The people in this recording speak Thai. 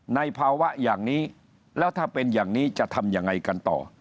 ในภาวะอย่างนี้แล้วถ้าเป็นอย่างนี้จะทำยังไงกันต่อ